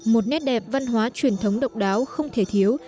một nét đẹp văn hóa truyền thống độc đáo không thể thiếu